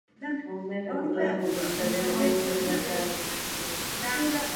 Homer recupera la voluntad de beber y un lugar para guardar su olla.